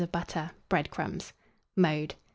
of butter, bread crumbs. Mode.